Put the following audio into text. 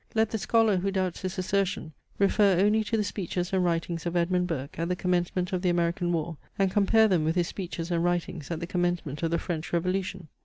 Let the scholar, who doubts this assertion, refer only to the speeches and writings of Edmund Burke at the commencement of the American war and compare them with his speeches and writings at the commencement of the French revolution.